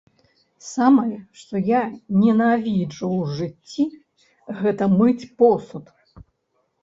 Самае, што я ненавіджу ў жыцці, гэта мыць посуд.